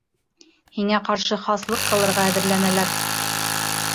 Һиңә ҡаршы хаслыҡ ҡылырға әҙерләнәләр!